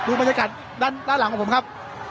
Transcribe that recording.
บรรยากาศด้านหลังของผมครับ